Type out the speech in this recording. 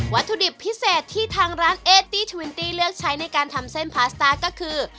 ถุดิบพิเศษที่ทางร้านเอตี้ทวินตี้เลือกใช้ในการทำเส้นพาสตาร์ก็คือ